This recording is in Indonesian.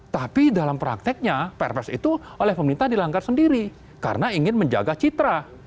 tapi dalam prakteknya perpres itu oleh pemerintah dilanggar sendiri karena ingin menjaga citra